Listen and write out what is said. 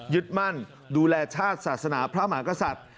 ยึดมั่นดูแลชาติศาสนาพระมหากษัตริย์